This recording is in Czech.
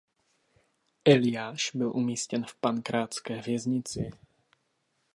Eliáš byl umístěn v Pankrácké věznici.